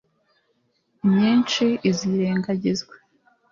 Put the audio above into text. imyinshi izirengagizwa.